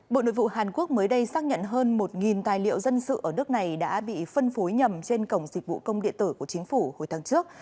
bộ nội vụ hàn quốc mới đây xác nhận hơn một tài liệu dân sự ở nước này đã bị phân phối nhầm trên cổng dịch vụ công địa tử của chính phủ hồi tháng trước